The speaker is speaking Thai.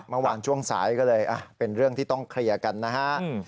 เมื่อวานช่วงสายก็เลยเป็นเรื่องที่ต้องเคลียร์กันนะฮะ